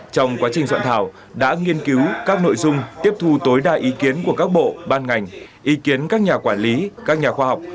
trong quá trình soạn thảo đã nghiên cứu các nội dung tiếp thu tối đa ý kiến của các bộ ban ngành ý kiến các nhà quản lý các nhà khoa học